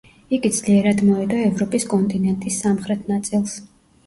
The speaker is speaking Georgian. იგი ძლიერად მოედო ევროპის კონტინენტის სამხრეთ ნაწილს.